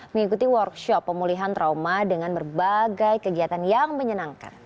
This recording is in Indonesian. mengikuti workshop pemulihan trauma dengan berbagai kegiatan yang menyenangkan